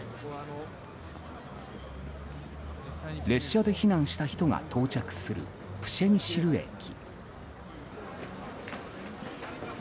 列車で避難した人が到着するプシェミシェル駅。